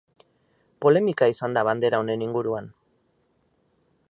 Polemika izan da bandera honen inguruan.